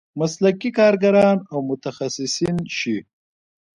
مسلکي کارګران او متخصصین شي.